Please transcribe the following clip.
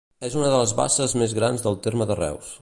És una de les basses més grans del terme de Reus.